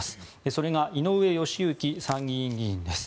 それが井上義行参議院議員です。